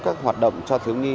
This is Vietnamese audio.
các hoạt động cho thiếu nghi